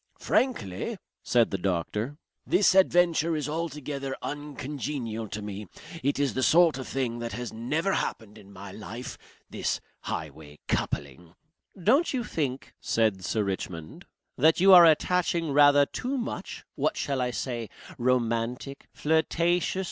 "Frankly," said the doctor, "this adventure is altogether uncongenial to me. It is the sort of thing that has never happened in my life. This highway coupling " "Don't you think," said Sir Richmond, "that you are attaching rather too much what shall I say romantic? flirtatious?